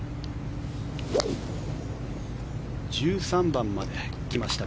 １３番まで来ました